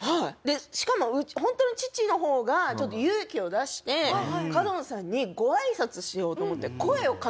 しかもホントの父の方がちょっと勇気を出して角野さんにご挨拶しようと思って声をかけたんです。